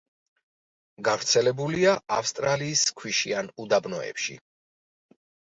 გავრცელებულია ავსტრალიის ქვიშიან უდაბნოებში.